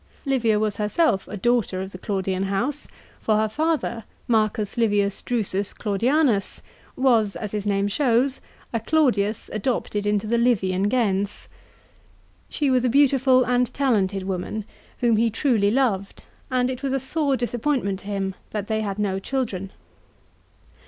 Livia was herself a daughter of the Claudian house, for her father, M. Livius Drusus Clau dianus, was, as his name shows, a Claudius adopted into the Livian gens. She was a beautiful and talented woman whom he truly loved ; and it was a sore disappointment to him that they had no children.